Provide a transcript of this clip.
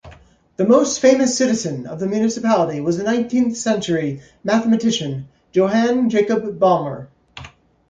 The most famous citizen of the municipality was the nineteenth-century mathematician Johann Jakob Balmer.